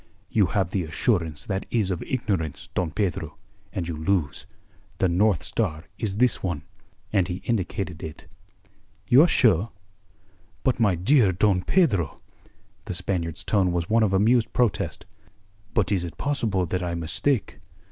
"You have the assurance that is of ignorance, Don Pedro; and you lose. The North Star is this one." And he indicated it. "You are sure?" "But my dear Don Pedro!" The Spaniard's tone was one of amused protest. "But is it possible that I mistake?